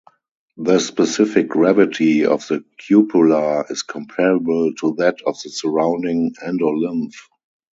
The specific gravity of the cupula is comparable to that of the surrounding endolymph.